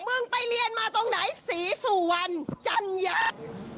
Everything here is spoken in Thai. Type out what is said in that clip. มึงไปเรียนมาตรงไหนศรีสุวรรณจัญญา